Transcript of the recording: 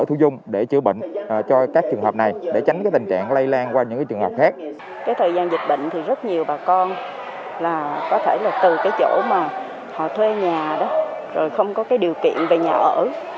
thời gian dịch bệnh rất nhiều bà con từ chỗ họ thuê nhà không có điều kiện về nhà ở